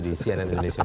di cnn indonesia